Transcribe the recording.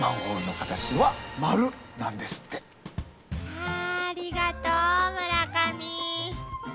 はぁありがとう村上。